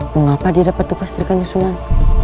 mengapa dia dapat tukas dari kanjong sunan